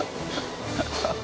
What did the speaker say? ハハハ